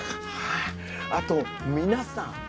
あと皆さん。